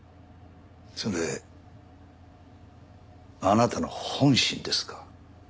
それあなたの本心ですか？